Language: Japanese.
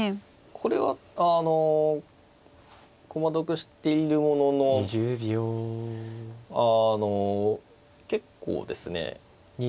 これはあの駒得しているもののあの結構ですね